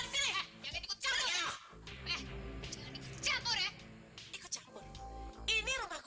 siapa yang akan menentukan